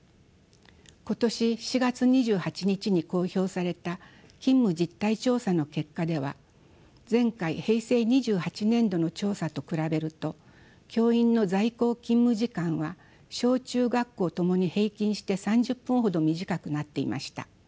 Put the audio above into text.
今年４月２８日に公表された勤務実態調査の結果では前回平成２８年度の調査と比べると教員の在校勤務時間は小・中学校ともに平均して３０分ほど短くなっていました。